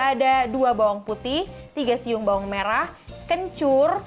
ada dua bawang putih tiga siung bawang merah kencur